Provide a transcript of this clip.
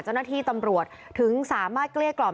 เจ้าหน้าที่ตำรวจถึงสามารถเกลี้ยกล่อม